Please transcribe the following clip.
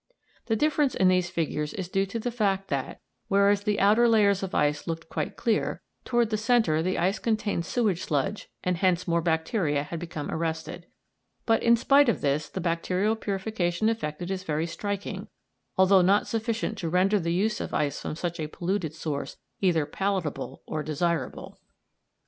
The difference in these figures is due to the fact that, whereas the outer layers of ice looked quite clear, towards the centre the ice contained sewage sludge and hence more bacteria had become arrested; but in spite of this the bacterial purification effected is very striking, although not sufficient to render the use of ice from such a polluted source either palatable or desirable.